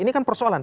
ini kan persoalan